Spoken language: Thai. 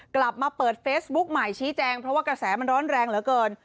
กลับมาเปิดเฟซบุ๊กใหม่ชี้แจงเพราะว่ากระแสมันร้อนแรงเหลือเกิน